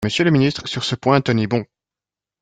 Monsieur le ministre, sur ce point, tenez bon